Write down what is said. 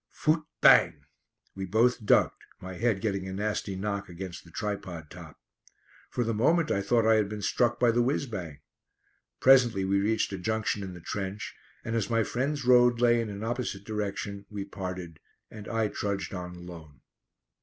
Phoot bang! We both ducked, my head getting a nasty knock against the tripod top. For the moment I thought I had been struck by the whizz bang. Presently we reached a junction in the trench, and as my friend's road lay in an opposite direction we parted, and I trudged on alone.